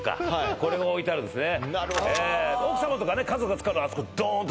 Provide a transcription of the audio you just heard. こうが置いてあるんですね